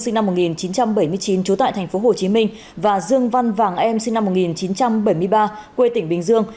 sinh năm một nghìn chín trăm bảy mươi chín trú tại tp hcm và dương văn vàng em sinh năm một nghìn chín trăm bảy mươi ba quê tỉnh bình dương